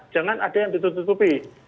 jangan ada yang ditutupi